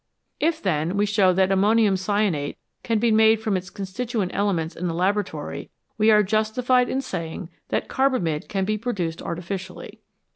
If, then, we show that ammonium cyanate can be made from its constituent elements in the labora tory, we are justified in saying that carbamide can be produced artificially.